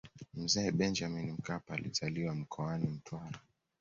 mzee benjamini mkapa alizaliwa mkoani mtwara